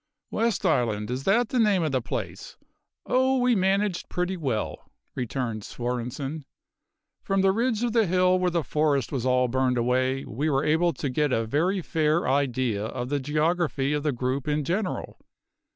"West Island is that the name of the place? Oh, we managed pretty well," returned Svorenssen. "From the ridge of the hill where the forest was all burned away we were able to get a very fair idea of the geography of the group in general.